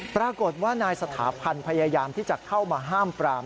ปรากฏว่านายสถาพันธ์พยายามที่จะเข้ามาห้ามปราม